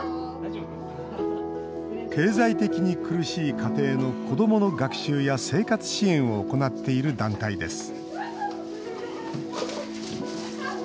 経済的に苦しい家庭の子どもの学習や生活支援を行っている団体です